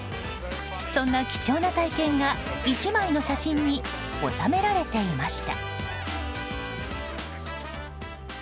そんな貴重な体験が１枚の写真に収められていました。